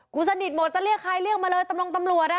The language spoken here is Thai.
สนิทหมดจะเรียกใครเรียกมาเลยตำรวจอ่ะ